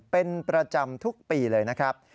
เป็นประจำทุกปีเลยนะครับ